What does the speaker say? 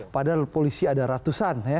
padahal polisi ada ratusan